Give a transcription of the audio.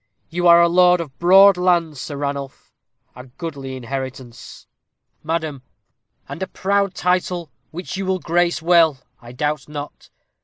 You are lord of broad lands, Sir Ranulph a goodly inheritance." "Madam!" "And a proud title, which you will grace well, I doubt not.